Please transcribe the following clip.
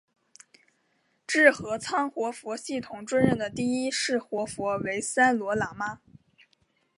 智合仓活佛系统追认的第一世活佛为三罗喇嘛。